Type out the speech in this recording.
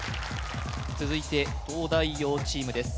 続いて東大王チームです